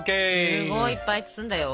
すごいいっぱい包んだよ！